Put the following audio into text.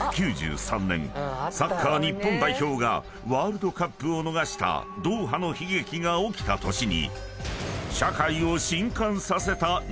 ［サッカー日本代表がワールドカップを逃したドーハの悲劇が起きた年に］